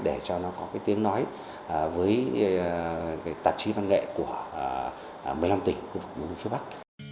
để cho nó có cái tiếng nói với tạp chí văn nghệ của một mươi năm tỉnh khu vực núi phía bắc